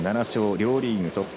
両リーグトップ。